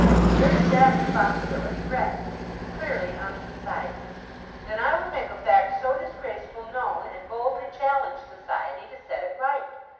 Where does that responsibility rest? Clearly on society. Then I would make a fact so disgraceful known, and boldly challenge society to set it right.